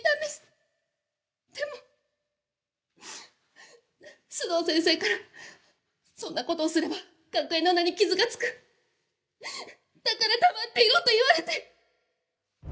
でも須藤先生からそんな事をすれば学園の名に傷がつくだから黙っていろと言われて！